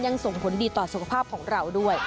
ส่งผลดีต่อสุขภาพของเราด้วย